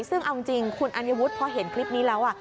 ซึ่งเอาจริงคุณอัญวุฒิพอเห็นคลิปนี้แล้ว